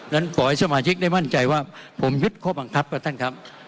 นั้นขอให้สมาชิกได้มั่นใจว่าผมยึดข้อบังคับครับท่านครับ